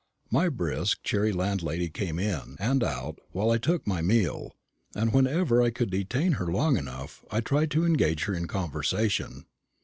My brisk cheery landlady came in and out while I took my meal; and whenever I could detain her long enough, I tried to engage her in conversation.